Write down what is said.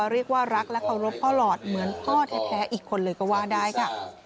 เรียกว่ารักและเคารพพ่อหลอดเหมือนพ่อแท้อีกคนเลยก็ว่าได้ค่ะ